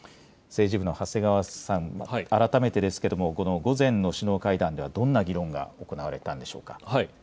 政治部の長谷川さん、改めてですけども、この午前の首脳会談では、どんな議論が行われたんでしょうか。